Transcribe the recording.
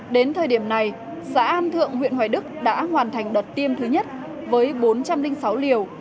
đến thời điểm này xã an thượng huyện hoài đức đã hoàn thành đợt tiêm thứ nhất với bốn trăm linh sáu liều